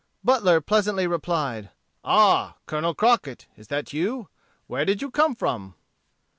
Butler pleasantly replied, "Ah, Colonel Crockett, is that you? Where did you come from?"